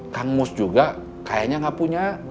kang mus juga kayaknya nggak punya